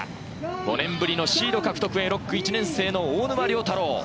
５年ぶりのシード獲得へ、６区、１年生の大沼良太郎。